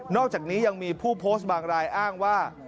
อกจากนี้ยังมีผู้โพสต์บางรายอ้างว่า